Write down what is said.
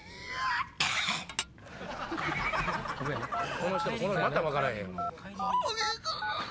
この人また分からへん。